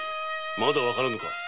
まだ分からぬか